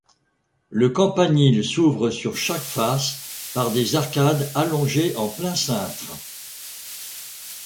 Le campanile s'ouvre sur chaque face par des arcades allongées en plein cintre.